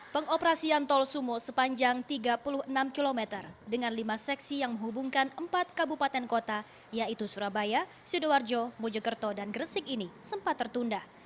pengoperasian tol sumo sepanjang tiga puluh enam km dengan lima seksi yang menghubungkan empat kabupaten kota yaitu surabaya sidoarjo mojokerto dan gresik ini sempat tertunda